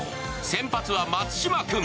先発は松島君。